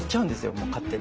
もう勝手に。